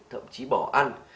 thậm chí bỏ ăn